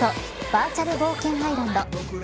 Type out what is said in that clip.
バーチャル冒険アイランド。